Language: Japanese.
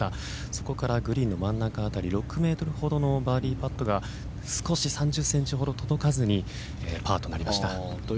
そこからグリーンの真ん中辺り６ｍほどのバーディーパットが３０ｃｍほど届かずに、パーとなりました。